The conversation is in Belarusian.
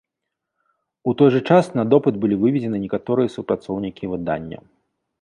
У той жа час на допыт былі вывезены некаторыя супрацоўнікі выданняў.